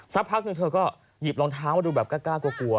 สักพักหนึ่งเธอก็หยิบรองเท้ามาดูแบบกล้ากลัว